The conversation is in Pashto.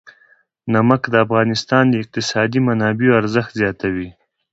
نمک د افغانستان د اقتصادي منابعو ارزښت زیاتوي.